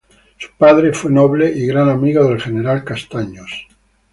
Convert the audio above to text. Su padre fue noble y gran amigo del general Castaños.